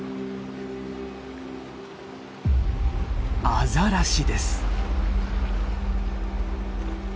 アザラシです。